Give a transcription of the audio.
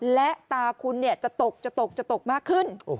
และตาคุณจะตกมากขึ้น